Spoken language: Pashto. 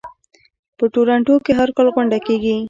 په تورنټو کې هر کال غونډه کیږي.